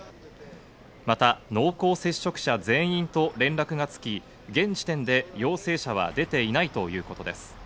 また濃厚接触者全員と連絡がつき、現時点で陽性者は出ていないということです。